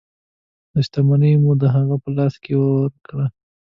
شتمنۍ مو د هغه په لاس کې ورکړې.